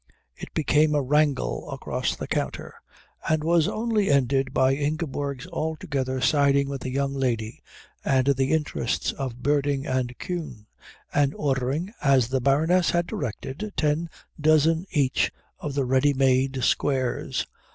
It became a wrangle across the counter, and was only ended by Ingeborg's altogether siding with the young lady and the interests of Berding and Kühn, and ordering, as the Baroness had directed, ten dozen each of the ready made squares.